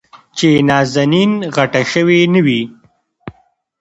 چې نازنين غټه شوې نه وي.